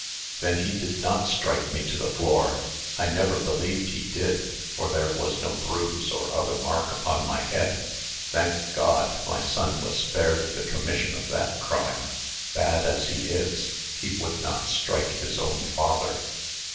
"Then he did not strike me to the floor! I never believed he did, for there was no bruise or other mark upon my head. Thank God, my son was spared the commission of that crime! Bad as he is, he would not strike his own father."